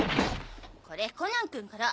これコナンくんから。